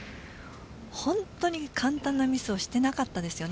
本当に簡単なミスをしていなかったですよね